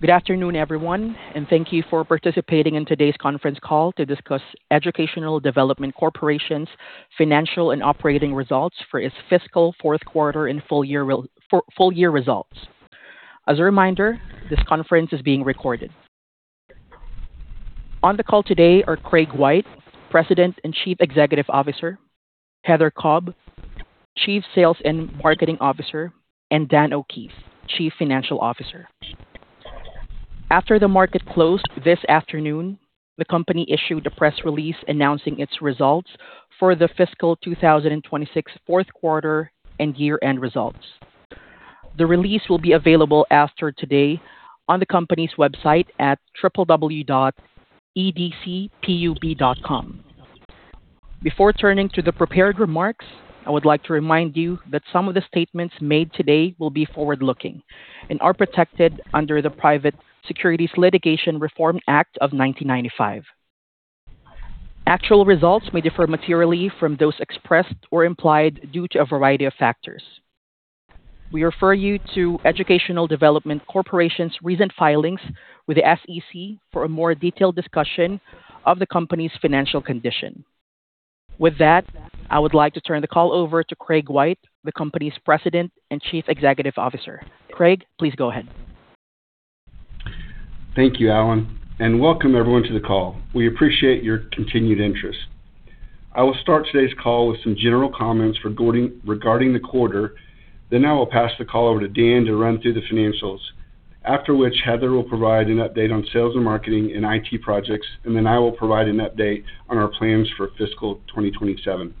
Good afternoon, everyone. Thank you for participating in today's conference call to discuss Educational Development Corporation's financial and operating results for its fiscal fourth quarter and full year results. As a reminder, this conference is being recorded. On the call today are Craig White, President and Chief Executive Officer; Heather Cobb, Chief Sales and Marketing Officer; and Dan O'Keefe, Chief Financial Officer. After the market closed this afternoon, the company issued a press release announcing its results for the fiscal 2026 fourth quarter and year-end results. The release will be available after today on the company's website at www.edcpub.com. Before turning to the prepared remarks, I would like to remind you that some of the statements made today will be forward-looking and are protected under the Private Securities Litigation Reform Act of 1995. Actual results may differ materially from those expressed or implied due to a variety of factors. We refer you to Educational Development Corporation's recent filings with the SEC for a more detailed discussion of the company's financial condition. With that, I would like to turn the call over to Craig White, the company's President and Chief Executive Officer. Craig, please go ahead. Thank you, Alan, and welcome everyone to the call. We appreciate your continued interest. I will start today's call with some general comments regarding the quarter, then I will pass the call over to Dan to run through the financials. After which, Heather will provide an update on sales and marketing and IT projects, and then I will provide an update on our plans for fiscal 2027.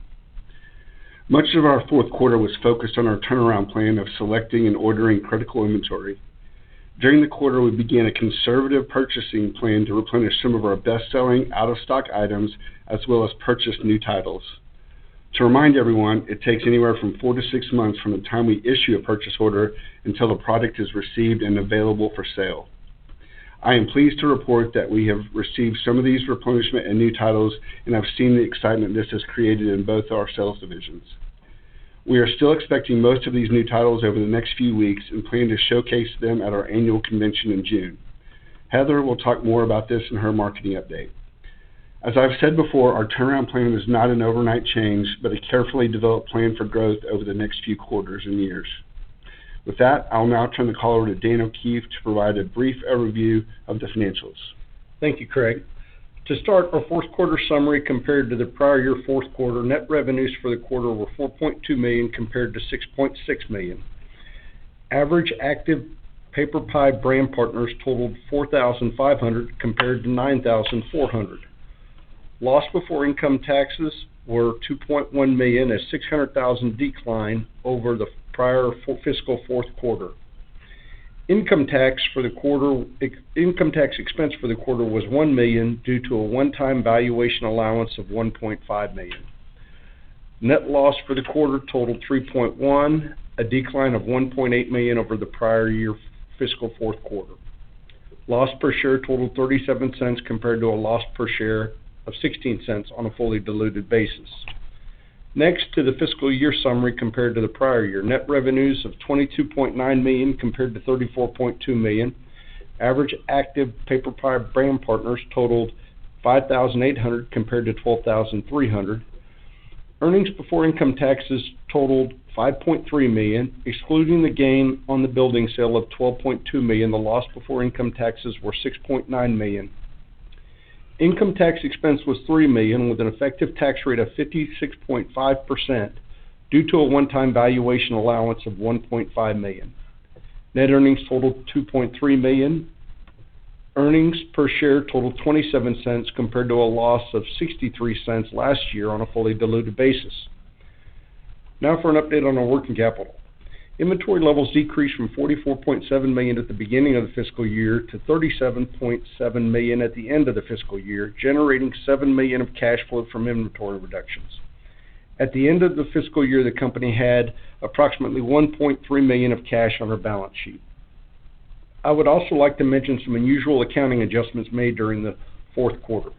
Much of our fourth quarter was focused on our turnaround plan of selecting and ordering critical inventory. During the quarter, we began a conservative purchasing plan to replenish some of our best-selling out-of-stock items, as well as purchase new titles. To remind everyone, it takes anywhere from four to six months from the time we issue a purchase order until the product is received and available for sale. I am pleased to report that we have received some of these replenishment and new titles, and I've seen the excitement this has created in both our sales divisions. We are still expecting most of these new titles over the next few weeks and plan to showcase them at our annual convention in June. Heather will talk more about this in her marketing update. As I've said before, our turnaround plan was not an overnight change, but a carefully developed plan for growth over the next few quarters and years. With that, I'll now turn the call over to Dan O'Keefe to provide a brief overview of the financials. Thank you, Craig. To start, our fourth quarter summary compared to the prior year fourth quarter, net revenues for the quarter were $4.2 million compared to $6.6 million. Average active PaperPie brand partners totaled 4,500 compared to 9,400. Loss before income taxes were $2.1 million, a $600,000 decline over the prior fiscal fourth quarter. Income tax expense for the quarter was $1 million due to a one-time valuation allowance of $1.5 million. Net loss for the quarter totaled $3.1 million, a decline of $1.8 million over the prior year fiscal fourth quarter. Loss per share totaled $0.37 compared to a loss per share of $0.16 on a fully diluted basis. Next to the fiscal year summary compared to the prior year. Net revenues of $22.9 million compared to $34.2 million. Average active PaperPie brand partners totaled 5,800 compared to 12,300. Earnings before income taxes totaled $5.3 million, excluding the gain on the building sale of $12.2 million. The loss before income taxes were $6.9 million. Income tax expense was $3 million, with an effective tax rate of 56.5% due to a one-time valuation allowance of $1.5 million. Net earnings totaled $2.3 million. Earnings per share totaled $0.27 compared to a loss of $0.63 last year on a fully diluted basis. Now for an update on our working capital. Inventory levels decreased from $44.7 million at the beginning of the fiscal year to $37.7 million at the end of the fiscal year, generating $7 million of cash flow from inventory reductions. At the end of the fiscal year, the company had approximately $1.3 million of cash on our balance sheet. I would also like to mention some unusual accounting adjustments made during the fourth quarter.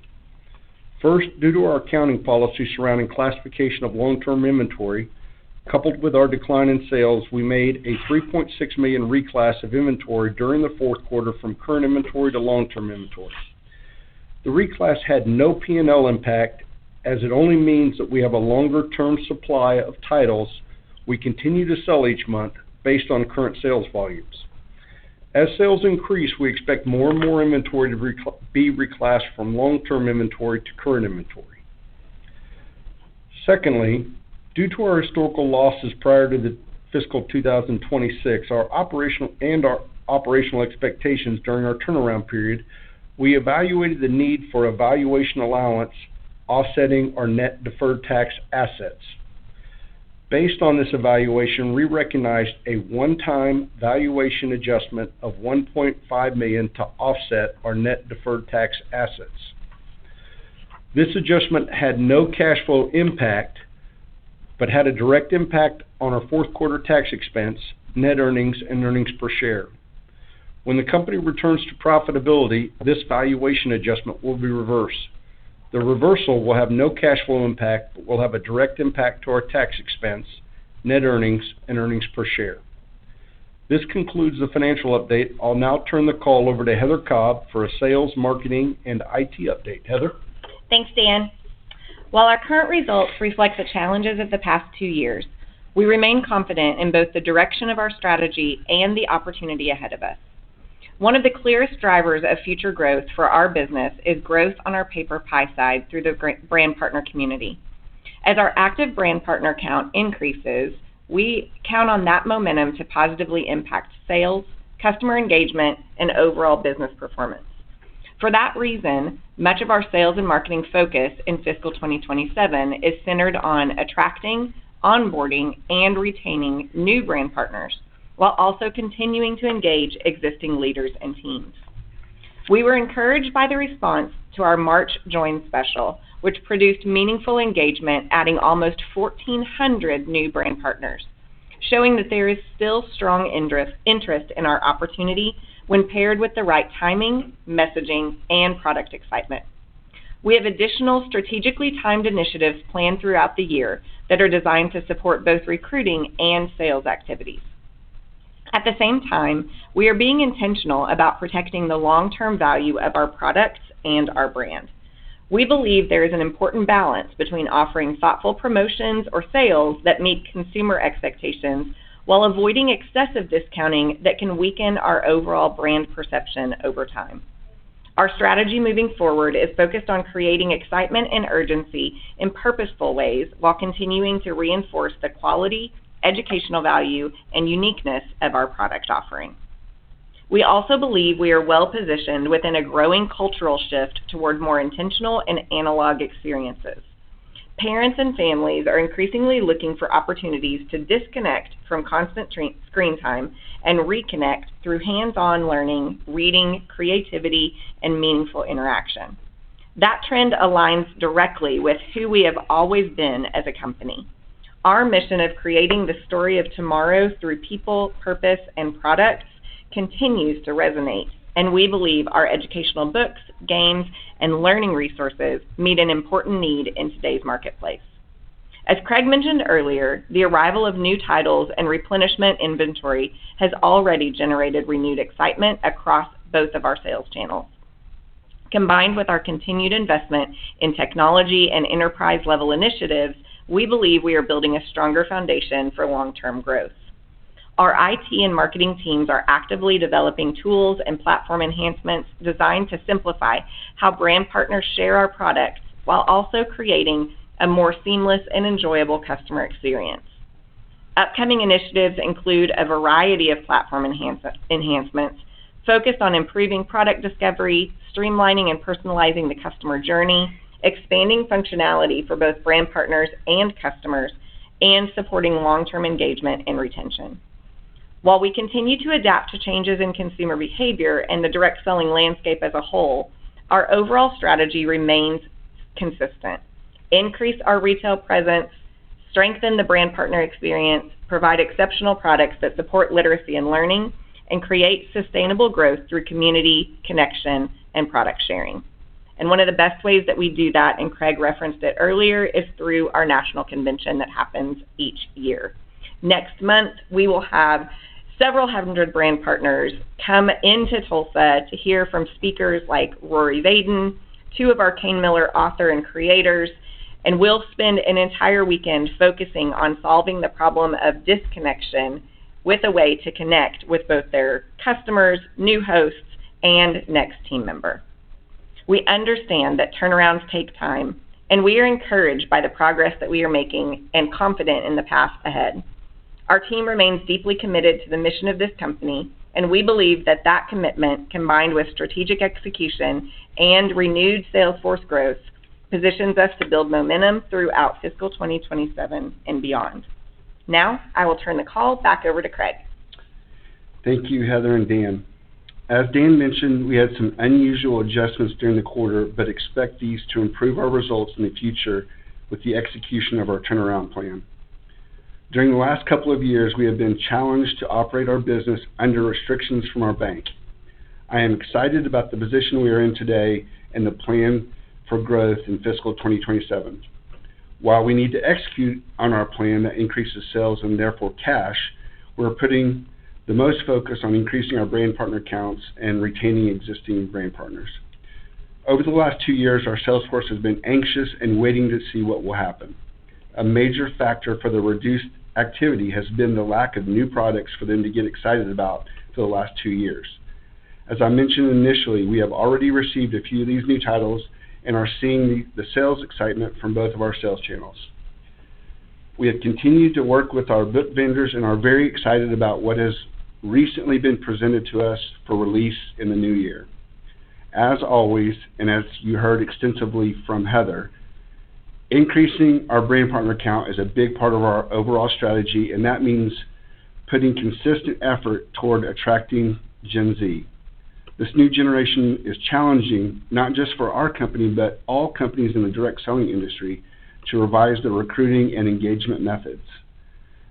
First, due to our accounting policy surrounding classification of long-term inventory, coupled with our decline in sales, we made a $3.6 million reclass of inventory during the fourth quarter from current inventory to long-term inventory. The reclass had no P&L impact, as it only means that we have a longer-term supply of titles we continue to sell each month based on current sales volumes. As sales increase, we expect more and more inventory to be reclassed from long-term inventory to current inventory. Due to our historical losses prior to the fiscal 2026, our operational expectations during our turnaround period, we evaluated the need for a valuation allowance offsetting our net deferred tax assets. Based on this evaluation, we recognized a one-time valuation adjustment of $1.5 million to offset our net deferred tax assets. This adjustment had no cash flow impact, had a direct impact on our fourth quarter tax expense, net earnings, and earnings per share. When the company returns to profitability, this valuation adjustment will be reversed. The reversal will have no cash flow impact, but will have a direct impact to our tax expense, net earnings, and earnings per share. This concludes the financial update. I'll now turn the call over to Heather Cobb for a sales, marketing, and IT update. Heather? Thanks, Dan. While our current results reflect the challenges of the past two years, we remain confident in both the direction of our strategy and the opportunity ahead of us. One of the clearest drivers of future growth for our business is growth on our PaperPie side through the brand partner community. As our active brand partner count increases, we count on that momentum to positively impact sales, customer engagement, and overall business performance. For that reason, much of our sales and marketing focus in fiscal 2027 is centered on attracting, onboarding, and retaining new brand partners while also continuing to engage existing leaders and teams. We were encouraged by the response to our March join special, which produced meaningful engagement, adding almost 1,400 new brand partners, showing that there is still strong interest in our opportunity when paired with the right timing, messaging, and product excitement. We have additional strategically timed initiatives planned throughout the year that are designed to support both recruiting and sales activities. At the same time, we are being intentional about protecting the long-term value of our products and our brand. We believe there is an important balance between offering thoughtful promotions or sales that meet consumer expectations while avoiding excessive discounting that can weaken our overall brand perception over time. Our strategy moving forward is focused on creating excitement and urgency in purposeful ways while continuing to reinforce the quality, educational value, and uniqueness of our product offering. We also believe we are well-positioned within a growing cultural shift toward more intentional and analog experiences. Parents and families are increasingly looking for opportunities to disconnect from constant screen time and reconnect through hands-on learning, reading, creativity, and meaningful interaction. That trend aligns directly with who we have always been as a company. Our mission of creating the story of tomorrow through people, purpose, and products continues to resonate, and we believe our educational books, games, and learning resources meet an important need in today's marketplace. As Craig mentioned earlier, the arrival of new titles and replenishment inventory has already generated renewed excitement across both of our sales channels. Combined with our continued investment in technology and enterprise-level initiatives, we believe we are building a stronger foundation for long-term growth. Our IT and marketing teams are actively developing tools and platform enhancements designed to simplify how brand partners share our products while also creating a more seamless and enjoyable customer experience. Upcoming initiatives include a variety of platform enhancements focused on improving product discovery, streamlining and personalizing the customer journey, expanding functionality for both brand partners and customers, and supporting long-term engagement and retention. While we continue to adapt to changes in consumer behavior and the direct selling landscape as a whole, our overall strategy remains consistent. Increase our retail presence, strengthen the brand partner experience, provide exceptional products that support literacy and learning, and create sustainable growth through community, connection, and product sharing. One of the best ways that we do that, and Craig referenced it earlier, is through our national convention that happens each year. Next month, we will have several hundred brand partners come into Tulsa to hear from speakers like Rory Vaden, 2 of our Kane Miller author and creators, and we'll spend an entire weekend focusing on solving the problem of disconnection with a way to connect with both their customers, new hosts, and next team member. We understand that turnarounds take time, and we are encouraged by the progress that we are making and confident in the path ahead. Our team remains deeply committed to the mission of this company, and we believe that that commitment, combined with strategic execution and renewed sales force growth, positions us to build momentum throughout fiscal 2027 and beyond. Now, I will turn the call back over to Craig. Thank you, Heather and Dan. As Dan mentioned, we had some unusual adjustments during the quarter, expect these to improve our results in the future with the execution of our turnaround plan. During the last couple of years, we have been challenged to operate our business under restrictions from our bank. I am excited about the position we are in today and the plan for growth in fiscal 2027. We need to execute on our plan that increases sales and therefore cash, we're putting the most focus on increasing our brand partner counts and retaining existing brand partners. Over the last two years, our sales force has been anxious and waiting to see what will happen. A major factor for the reduced activity has been the lack of new products for them to get excited about for the last two years. As I mentioned initially, we have already received a few of these new titles and are seeing the sales excitement from both of our sales channels. We have continued to work with our book vendors and are very excited about what has recently been presented to us for release in the new year. As always, and as you heard extensively from Heather, increasing our brand partner count is a big part of our overall strategy, and that means putting consistent effort toward attracting Gen Z. This new generation is challenging, not just for our company, but all companies in the direct selling industry to revise their recruiting and engagement methods.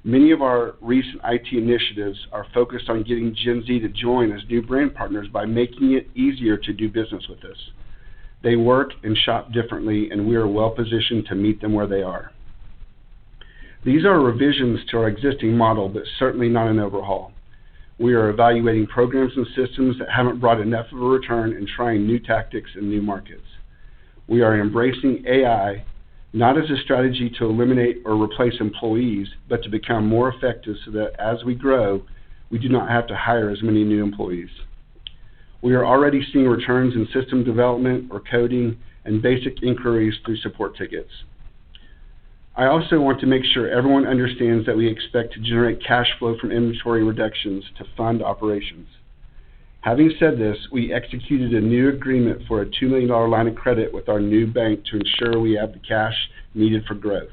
Many of our recent IT initiatives are focused on getting Gen Z to join as new brand partners by making it easier to do business with us. They work and shop differently, and we are well-positioned to meet them where they are. These are revisions to our existing model, but certainly not an overhaul. We are evaluating programs and systems that haven't brought enough of a return and trying new tactics in new markets. We are embracing AI not as a strategy to eliminate or replace employees, but to become more effective so that as we grow, we do not have to hire as many new employees. We are already seeing returns in system development or coding and basic inquiries through support tickets. I also want to make sure everyone understands that we expect to generate cash flow from inventory reductions to fund operations. Having said this, we executed a new agreement for a $2 million line of credit with our new bank to ensure we have the cash needed for growth.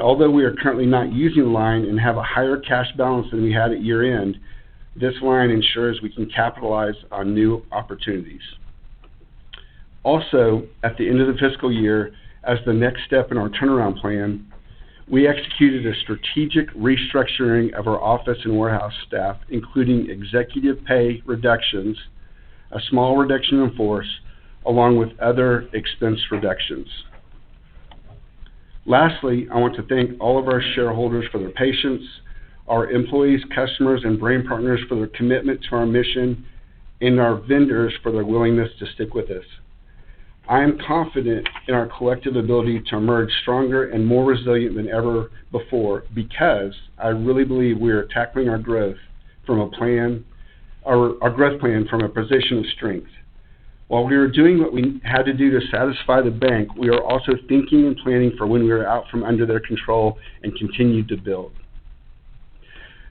Although we are currently not using the line and have a higher cash balance than we had at year-end, this line ensures we can capitalize on new opportunities. Also, at the end of the fiscal year, as the next step in our turnaround plan, we executed a strategic restructuring of our office and warehouse staff, including executive pay reductions, a small reduction in force, along with other expense reductions. Lastly, I want to thank all of our shareholders for their patience, our employees, customers, and brand partners for their commitment to our mission, and our vendors for their willingness to stick with us. I am confident in our collective ability to emerge stronger and more resilient than ever before because I really believe we are tackling our growth plan from a position of strength. While we are doing what we had to do to satisfy the bank, we are also thinking and planning for when we are out from under their control and continue to build.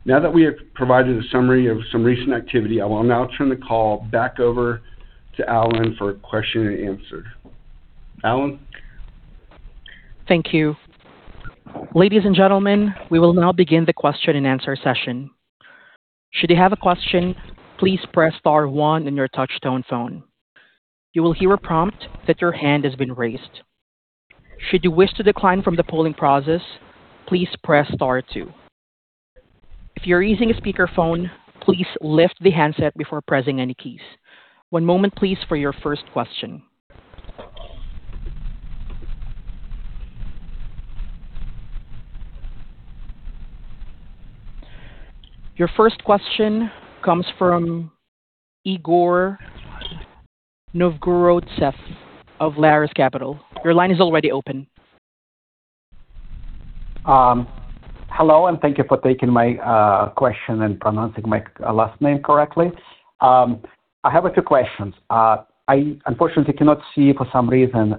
Now that we have provided a summary of some recent activity, I will now turn the call back over to Alan for question and answer. Alan? Thank you. Ladies and gentlemen, we will now begin the question and answer session. Should you have a question, please press star one on your touch-tone phone. You will hear a prompt that your hand has been raised. Should you wish to decline from the polling process, please press star two. If you're using a speakerphone, please lift the handset before pressing any keys. One moment please for your first question. Your first question comes from Igor Novgorodtsev of Larus Capital. Your line is already open. Hello, thank you for taking my question and pronouncing my last name correctly. I have a few questions. I unfortunately cannot see for some reason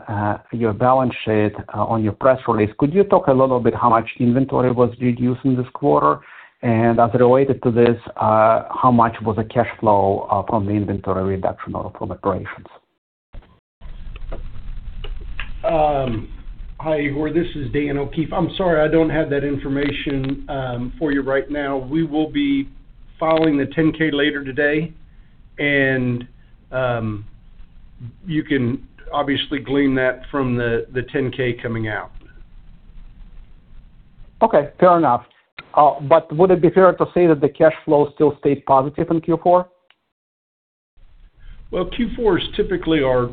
your balance sheet on your press release. Could you talk a little bit how much inventory was reduced in this quarter? As related to this, how much was the cash flow from the inventory reduction or from operations? Hi, Igor. This is Dan O'Keefe. I'm sorry, I don't have that information for you right now. We will be filing the 10-K later today, and you can obviously glean that from the 10-K coming out. Okay, fair enough. Would it be fair to say that the cash flow still stayed positive in Q4? Well, Q4 is typically our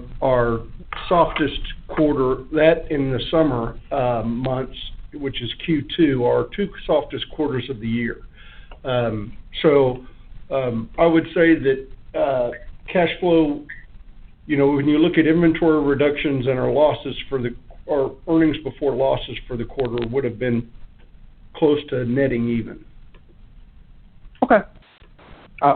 softest quarter. That and the summer months, which is Q2, are our two softest quarters of the year. I would say that cash flow, you know, when you look at inventory reductions and our earnings before losses for the quarter would have been close to netting even. Okay.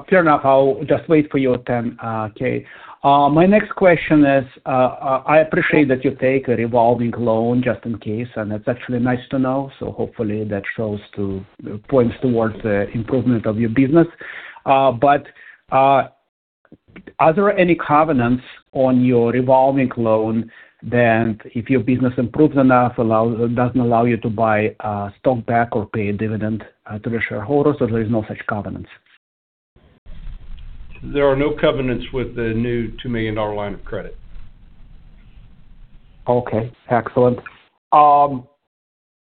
fair enough. I'll just wait for your 10-K. my next question is, I appreciate that you take a revolving loan just in case, and that's actually nice to know. Hopefully that points towards the improvement of your business. Are there any covenants on your revolving loan that if your business improves enough doesn't allow you to buy stock back or pay a dividend to the shareholders, or there is no such covenants? There are no covenants with the new $2 million line of credit. Okay. Excellent.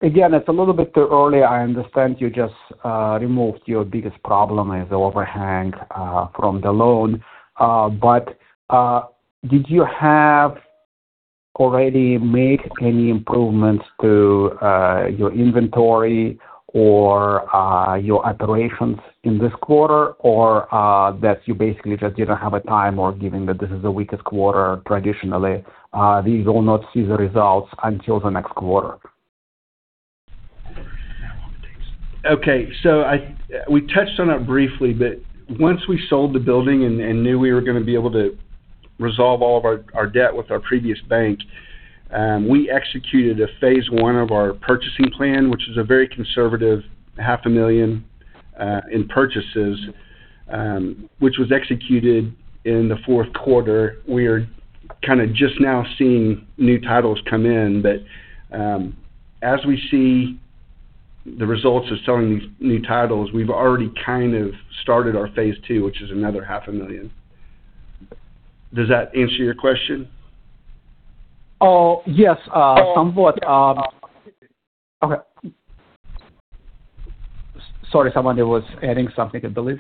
Again, it's a little bit too early. I understand you just removed your biggest problem as the overhang from the loan. Did you have already made any improvements to your inventory or your operations in this quarter or that you basically just didn't have a time or given that this is the weakest quarter traditionally, we will not see the results until the next quarter? Okay. We touched on it briefly, but once we sold the building and knew we were gonna be able to resolve all of our debt with our previous bank, we executed a phase I of our purchasing plan, which is a very conservative half a million in purchases, which was executed in the 4th quarter. We're kinda just now seeing new titles come in. As we see the results of selling these new titles, we've already kind of started our phase II, which is another half a million. Does that answer your question? Oh, yes, somewhat. Okay. Sorry, someone there was adding something, I believe.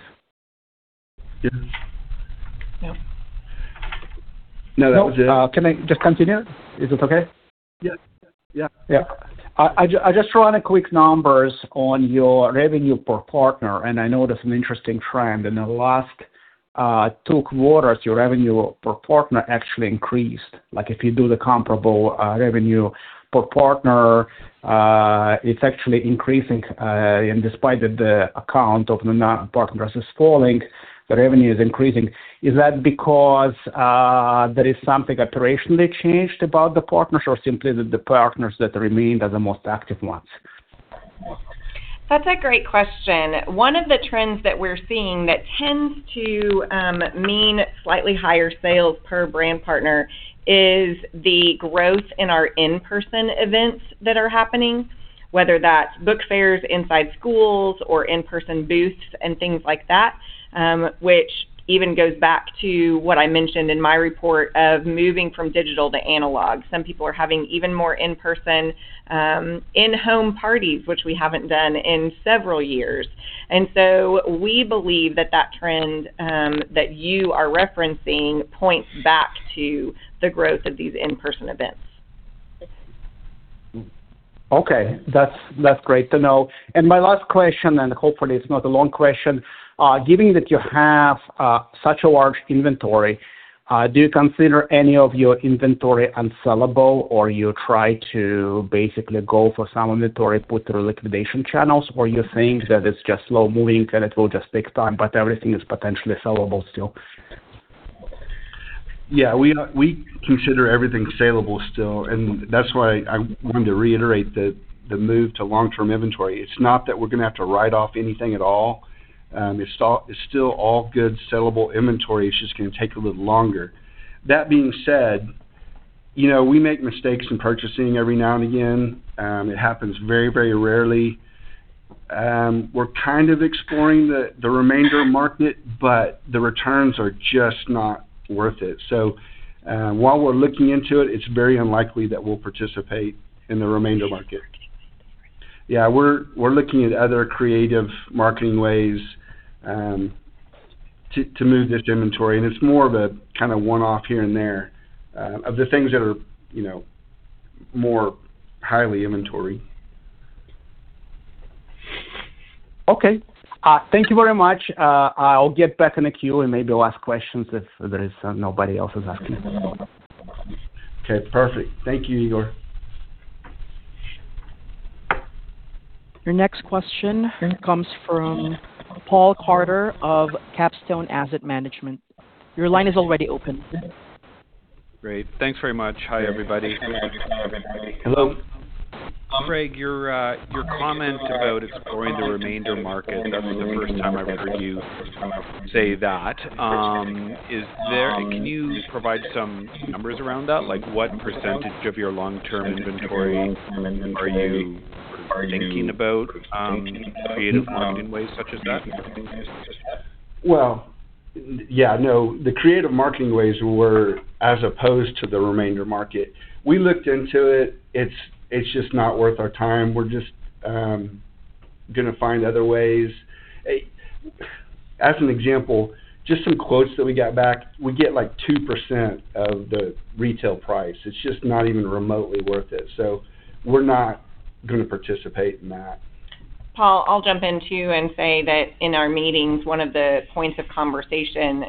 Yeah. Yep. No, that was it. No, can I just continue? Is it okay? Yeah. Yeah. Yeah. I just run a quick numbers on your revenue per partner. I know that's an interesting trend. In the last 2 quarters, your revenue per partner actually increased. Like, if you do the comparable revenue per partner, it's actually increasing, and despite that the account of the non-partners is falling, the revenue is increasing. Is that because there is something operationally changed about the partners or simply the partners that remained are the most active ones? That's a great question. One of the trends that we're seeing that tends to mean slightly higher sales per brand partner is the growth in our in-person events that are happening, whether that's book fairs inside schools or in-person booths and things like that, which even goes back to what I mentioned in my report of moving from digital to analog. Some people are having even more in-person, in-home parties, which we haven't done in several years. We believe that that trend, that you are referencing points back to the growth of these in-person events. Okay. That's great to know. My last question, and hopefully it's not a long question, given that you have such a large inventory, do you consider any of your inventory unsellable, or you try to basically go for some inventory put through liquidation channels? You think that it's just slow-moving and it will just take time, but everything is potentially sellable still? Yeah. We consider everything sellable still, and that's why I wanted to reiterate the move to long-term inventory. It's not that we're gonna have to write off anything at all. It's still all good sellable inventory. It's just gonna take a little longer. That being said, you know, we make mistakes in purchasing every now and again. It happens very, very rarely. We're kind of exploring the remainder market, but the returns are just not worth it. While we're looking into it's very unlikely that we'll participate in the remainder market. Yeah. We're looking at other creative marketing ways to move this inventory, and it's more of a kinda one-off here and there of the things that are, you know, more highly inventory. Okay. Thank you very much. I'll get back in the queue and maybe I'll ask questions if nobody else is asking. Okay. Perfect. Thank you, Igor. Your next question comes from Paul Carter of Capstone Asset Management. Your line is already open. Great. Thanks very much. Hi, everybody. Hello. Craig, your comment about exploring the remainder market, that was the first time I've heard you say that. Can you provide some numbers around that? Like, what percentage of your long-term inventory are you thinking about creative marketing ways such as that? Yeah, no. The creative marketing ways were as opposed to the remainder market. We looked into it. It's just not worth our time. We're just gonna find other ways. As an example, just some quotes that we got back, we get, like, 2% of the retail price. It's just not even remotely worth it, so we're not gonna participate in that. Paul, I'll jump in too and say that in our meetings, one of the points of conversation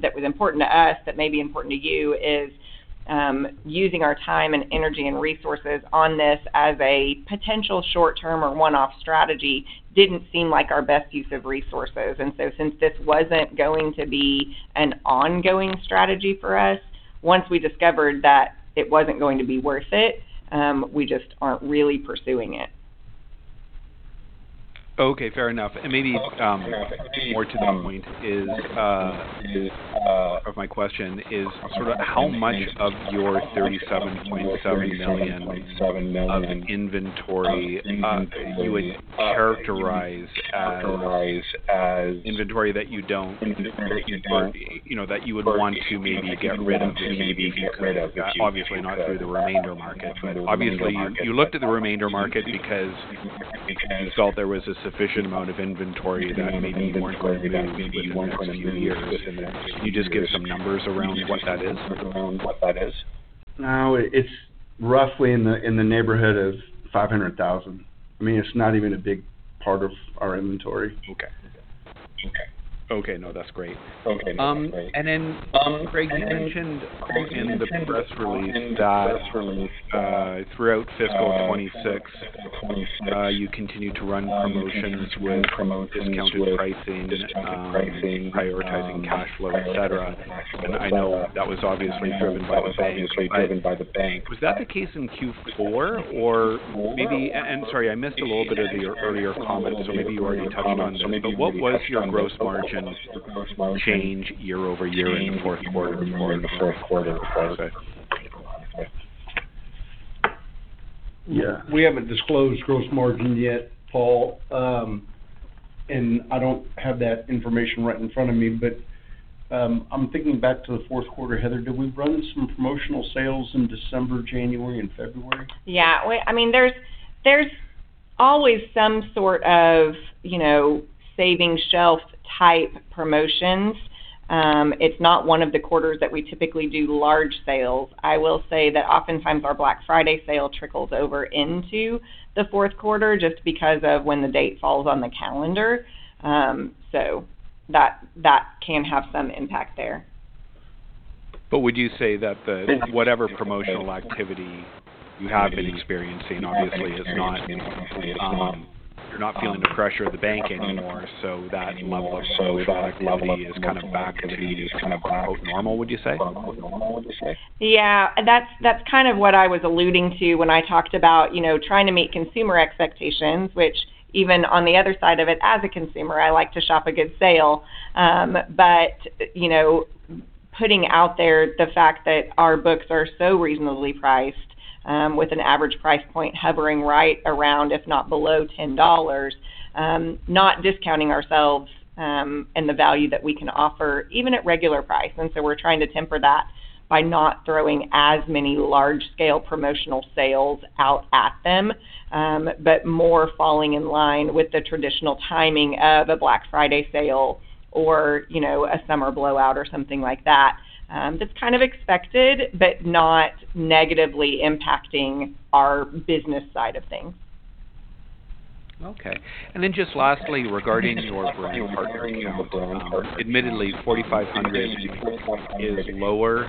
that was important to us that may be important to you is, using our time and energy and resources on this as a potential short-term or one-off strategy didn't seem like our best use of resources. Since this wasn't going to be an ongoing strategy for us, once we discovered that it wasn't going to be worth it, we just aren't really pursuing it. Okay. Fair enough. Maybe, more to the point is of my question is sort of how much of your $37.7 million of inventory you would characterize as inventory that you don't necessarily, you know, that you would want to maybe get rid of if you could, obviously not through the remainder market. Obviously, you looked at the remainder market because you felt there was a sufficient amount of inventory that maybe you weren't going to move within the next few years. Can you just give some numbers around what that is? No. It's roughly in the neighborhood of $500,000. I mean, it's not even a big part of our inventory. Okay. Okay. No, that's great. Then, Craig, you mentioned in the press release that throughout fiscal 2026, you continued to run promotions with discounted pricing, prioritizing cash flow, et cetera. I know that was obviously driven by the bank. Was that the case in Q4? Or maybe sorry, I missed a little bit of the earlier comment, so maybe you already touched on this. What was your gross margin change year-over-year in the fourth quarter compared to last year? Yeah, we haven't disclosed gross margin yet, Paul. I don't have that information right in front of me. I'm thinking back to the fourth quarter, Heather. Did we run some promotional sales in December, January, and February? Yeah. Well, I mean, there's always some sort of, you know, saving shelf type promotions. It's not one of the quarters that we typically do large sales. I will say that oftentimes our Black Friday sale trickles over into the fourth quarter just because of when the date falls on the calendar. That, that can have some impact there. But would you say that the- Yeah. whatever promotional activity you have been experiencing obviously is not, you're not feeling the pressure of the bank anymore, that level of promotional activity is kind of back to quote normal, would you say? Yeah. That's kind of what I was alluding to when I talked about, you know, trying to meet consumer expectations, which even on the other side of it, as a consumer, I like to shop a good sale. You know, putting out there the fact that our books are so reasonably priced, with an average price point hovering right around, if not below $10, not discounting ourselves in the value that we can offer even at regular price. We're trying to temper that by not throwing as many large scale promotional sales out at them, but more falling in line with the traditional timing of a Black Friday sale or, you know, a summer blowout or something like that. That's kind of expected, but not negatively impacting our business side of things. Okay. Then just lastly, regarding your brand partner count, admittedly 4,500 is lower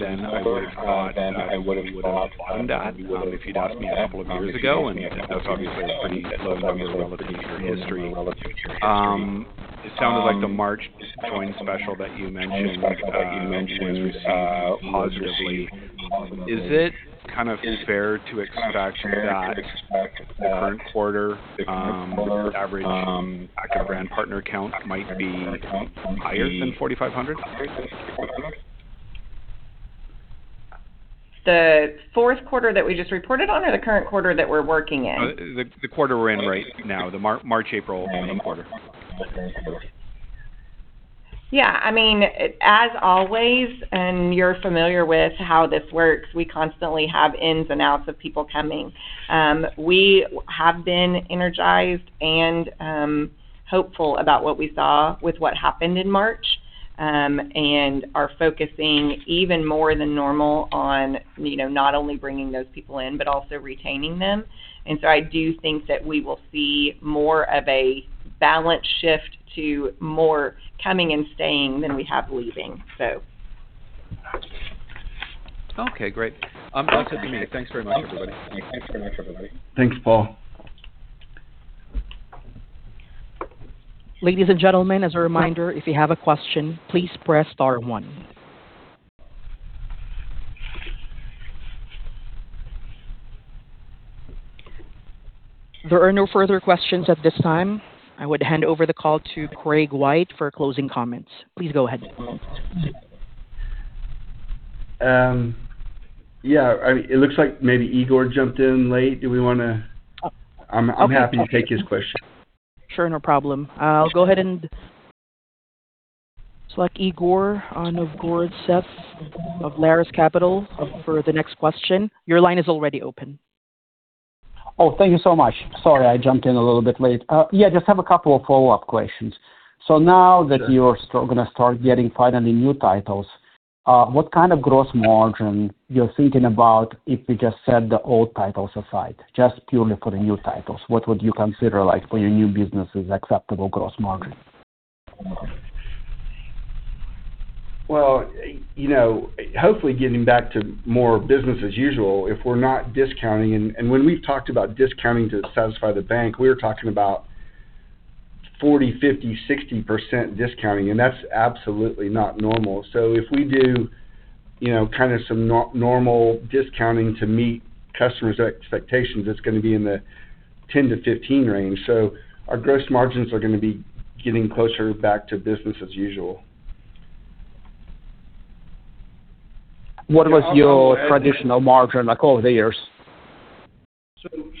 than I would have thought at the beginning of the year if you'd asked me a couple of years ago. That's obviously a pretty low number when looking at your history. It sounded like the March joint special that you mentioned, you were receiving positively. Is it kind of fair to expect that the current quarter, average active brand partner count might be higher than 4,500? The fourth quarter that we just reported on or the current quarter that we're working in? the quarter we're in right now, the March, April quarter. Yeah. I mean, as always, and you're familiar with how this works, we constantly have ins and outs of people coming. We have been energized and hopeful about what we saw with what happened in March, and are focusing even more than normal on, you know, not only bringing those people in, but also retaining them. I do think that we will see more of a balance shift to more coming and staying than we have leaving. Okay, great. That's it for me. Thanks very much, everybody. Thanks, Paul. Ladies and gentlemen, as a reminder, if you have a question, please press star one. There are no further questions at this time. I would hand over the call to Craig White for closing comments. Please go ahead. Yeah, I mean, it looks like maybe Igor jumped in late. Do we want to? I'm happy to take his question. Sure, no problem. I'll go ahead and select Igor Novgorodtsev of Larus Capital for the next question. Your line is already open. Oh, thank you so much. Sorry, I jumped in a little bit late. Yeah, just have a couple of follow-up questions. Now that you're gonna start getting finally new titles, what kind of gross margin you're thinking about if you just set the old titles aside? Just purely for the new titles, what would you consider like for your new business as acceptable gross margin? Well, you know, hopefully getting back to more business as usual, if we're not discounting. When we've talked about discounting to satisfy the bank, we're talking about 40%, 50%, 60% discounting, and that's absolutely not normal. If we do, you know, kind of some normal discounting to meet customers' expectations, it's gonna be in the 10%-15% range. Our gross margins are gonna be getting closer back to business as usual. What was your traditional margin like over the years?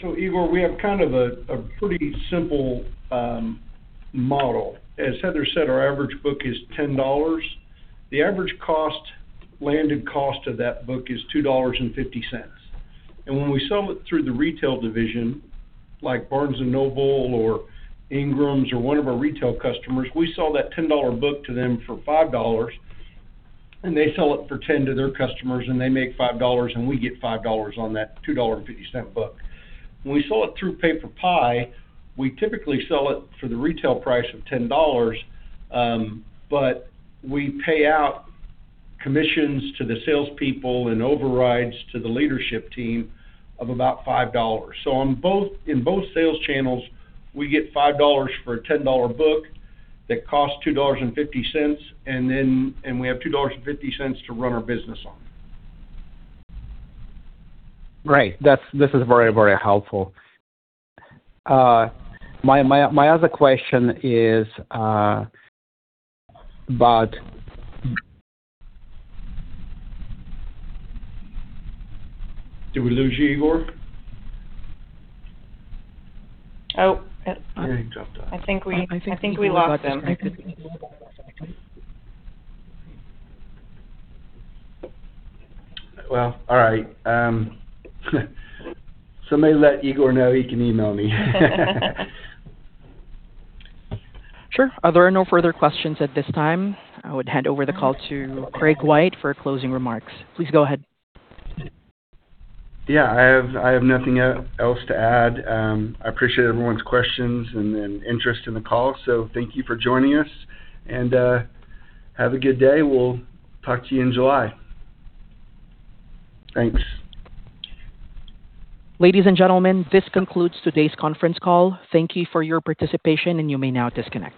Igor, we have kind of a pretty simple model. As Heather said, our average book is $10. The average cost, landed cost of that book is $2.50. When we sell it through the retail division, like Barnes & Noble or Ingram or one of our retail customers, we sell that $10 book to them for $5, and they sell it for 10 to their customers, and they make $5, and we get $5 on that $2.50 book. When we sell it through PaperPie, we typically sell it for the retail price of $10, but we pay out commissions to the salespeople and overrides to the leadership team of about $5. In both sales channels, we get $5 for a $10 book that costs $2.50, and we have $2.50 to run our business on. Great. This is very, very helpful. My other question is. Did we lose you, Igor? Oh, it- I think he dropped off. I think we lost him. Well, all right. Somebody let Igor know he can email me. Sure. There are no further questions at this time. I would hand over the call to Craig White for closing remarks. Please go ahead. Yeah. I have nothing else to add. I appreciate everyone's questions and interest in the call, thank you for joining us. Have a good day. We'll talk to you in July. Thanks. Ladies and gentlemen, this concludes today's conference call. Thank you for your participation, and you may now disconnect.